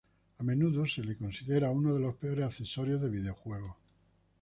A menudo se lo considera uno de los peores accesorios de videojuegos.